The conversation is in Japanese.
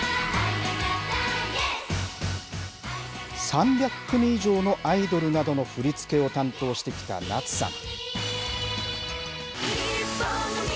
３００組以上のアイドルなどの振り付けを担当してきた夏さん。